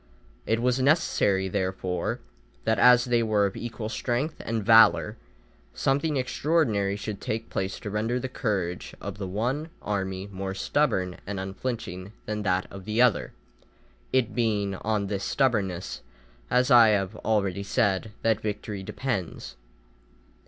It was necessary, therefore, that as they were of equal strength and valour, something extraordinary should take place to render the courage of the one army more stubborn and unflinching than that of the other, it being on this stubbornness, as I have already said, that victory depends.